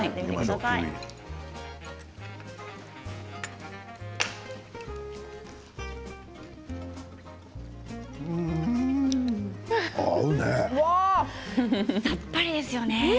さっぱりですよね。